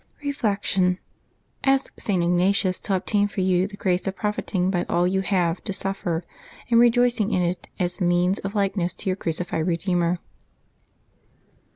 Reflection. — Ask St. Ignatius to obtain for you the grace of profiting by all you have to suffer, and rejoicing in it as a means of likeness to your crucified Eedeemer.